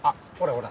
ほら